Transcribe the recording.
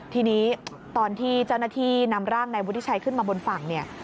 ทีนี้ตอนที่เจ้าหน้าที่นำร่างนายวุฒิชัยขึ้นมาบนฝั่งเนี่ย